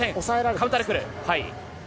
カウンターで来る。